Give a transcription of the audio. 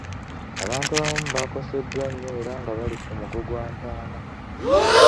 Abantu abamu baakoseddwa nnyo era nga bali ku mugo gw'entaana.